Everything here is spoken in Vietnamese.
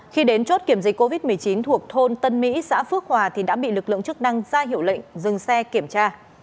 khi đến chốt kiểm dịch covid một mươi chín thuộc thôn tân mỹ xã phước hòa thì đã bị lực lượng chức năng ra hiệu lệnh dừng xe kiểm tra